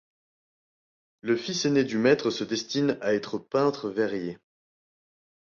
Le fils aîné du maître se destine à être peintre verrier.